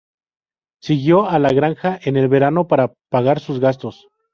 Siguió a la granja en el verano para pagar sus gastos.